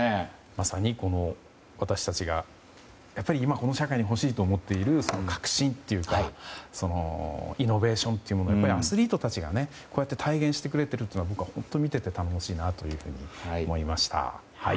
まさにこの私たちがやっぱり今この社会に欲しいと思っている革新というかイノベーションというものをやっぱりアスリートたちが体現してくれてるというのは本当見ていて頼もしいなと思いました。